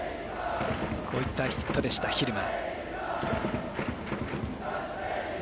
こういったヒットでした、蛭間。